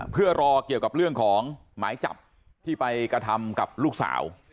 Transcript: เพื่อรอเกี่ยวกับเรื่องของหมายจับที่ไปกระทำกับลูกสาว